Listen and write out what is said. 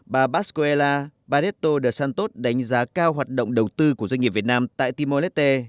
bà bascuela barreto de santos đánh giá cao hoạt động đầu tư của doanh nghiệp việt nam tại timor leste